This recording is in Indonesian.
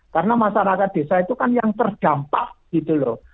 karena masyarakat desa itu kan yang terdampak gitu loh